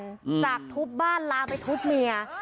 จากทุบบ้านลามไปทุบเมีย